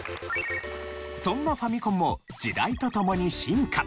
そんなファミコンも時代とともに進化。